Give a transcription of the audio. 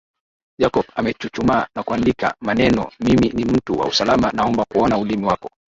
Jacob akachuchumaa na kuandika manenomimi ni mtu wa usalama naomba kuona ulimi wako